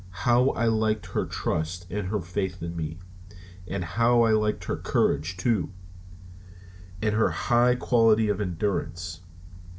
How I liked her trust and her faith in me? And how I liked her courage, too, and her high quality of endurance.